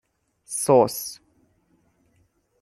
سس